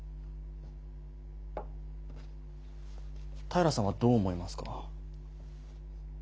平さんはどう思いますか？